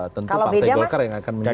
tentu partai golkar yang akan menjadi